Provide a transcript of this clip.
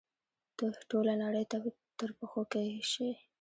ته ټوله نړۍ تر پښو کښی شي